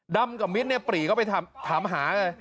ดำกับมิดเนี่ยปรีเขาไปถามหา